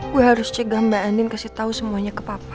gue harus cegah mbak anin kasih tahu semuanya ke papa